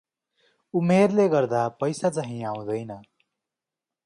उमेरले गर्दा पैसा चाहिँं आउँदैन ।